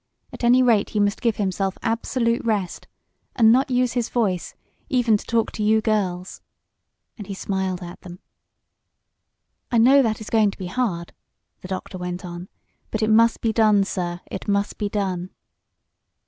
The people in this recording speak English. At any rate he must give himself absolute rest, and not use his voice even to talk to you girls," and he smiled at them. "I know that is going to be hard," the doctor went on; "but it must be done sir, it must be done."